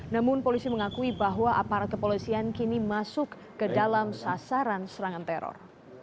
namun polisi mengakui bahwa aparat kepolisian kini masuk ke dalam sasaran serangan teror